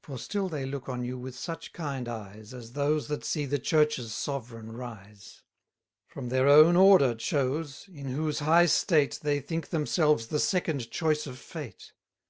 For still they look on you with such kind eyes, As those that see the church's sovereign rise; From their own order chose, in whose high state, They think themselves the second choice of fate.